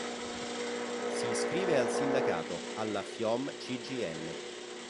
Si iscrive al sindacato, alla Fiom Cgil.